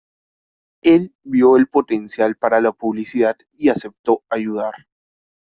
Él vio el potencial para la publicidad y aceptó ayudar.